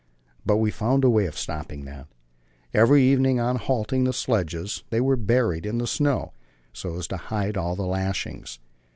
But we found a way of stopping that: every evening, on halting, the sledges were buried in the snow, so as to hide all the lashings.